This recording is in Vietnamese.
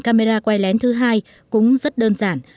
camera quay lén thứ hai cũng rất đơn giản